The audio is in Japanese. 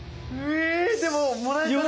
でももらえたね！